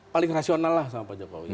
paling rasional lah sama pak jokowi